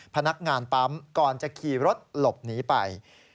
พนักงานปั๊มก่อนจะขี่รถหลบหนีไป